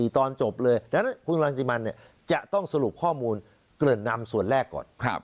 ตอนจบเลยดังนั้นคุณรังสิมันจะต้องสรุปข้อมูลเกริ่นนำส่วนแรกก่อน